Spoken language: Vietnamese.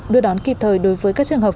đưa đón kịp thời đối với các trường hợp